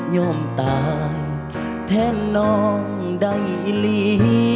ยอมตายแทนน้องใดอีลี